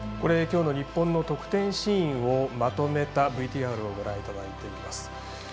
きょうの日本の得点シーンをまとめたＶＴＲをご覧いただいています。